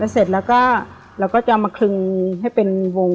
เสร็จแล้วก็เราก็จะเอามาคลึงให้เป็นวง